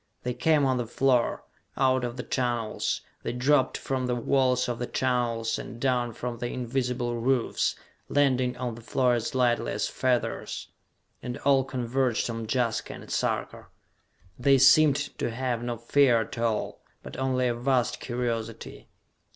They came on the floor, out of the tunnels; they dropped from the walls of the tunnels, and down from the invisible roofs, landing on the floor as lightly as feathers and all converged on Jaska and Sarka. They seemed to have no fear at all, but only a vast curiosity.